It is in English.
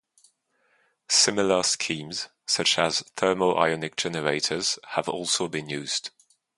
Similar schemes, such as thermo-ionic generators, have also been used.